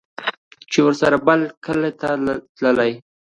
چې ورسره به بل کلي ته تلله